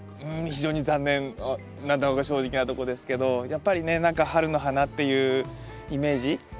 うん非常に残念なのが正直なとこですけどやっぱりね何か春の花っていうイメージ